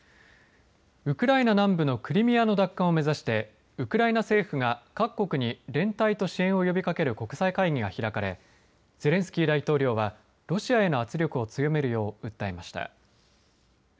ウクライナ南部のクリミアの奪還を目指してウクライナ政府が各国に連帯と支援を呼びかける国際会議が開かれゼレンスキー大統領はロシアへの圧力を強めるよう訴えました。